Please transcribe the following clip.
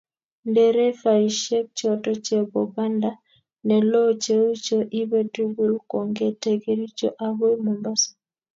nderefaishek choto chebo banda ne loo cheu cho ibee tuguk kongete Kericho agoi mombasa